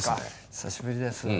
久しぶりです。